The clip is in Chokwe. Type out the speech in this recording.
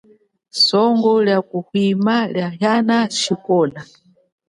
Songo lia kuhwima lia ana ashikola.